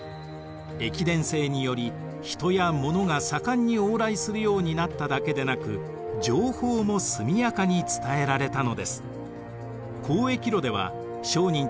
駅伝制により人やものが盛んに往来するようになっただけでなく情報も速やかに伝えられたのです。